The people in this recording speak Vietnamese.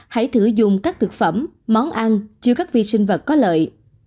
sáu hãy thử dùng các thực phẩm món ăn chưa các vi sinh vật có lợi